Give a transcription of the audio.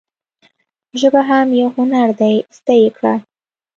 ژبه هم یو هنر دي زده یی کړه.